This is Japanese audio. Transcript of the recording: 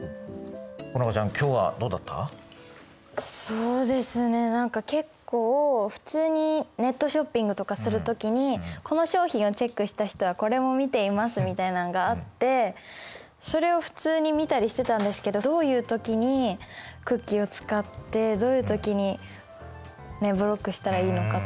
そうですね何か結構普通にネットショッピングとかする時にこの商品をチェックした人はこれも見ていますみたいなんがあってそれを普通に見たりしてたんですけどどういう時にクッキーを使ってどういう時にブロックしたらいいのかとか。